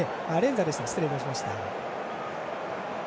失礼いたしました。